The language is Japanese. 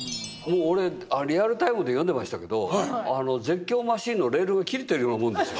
俺リアルタイムで読んでましたけど絶叫マシンのレールが切れてるようなもんですよ。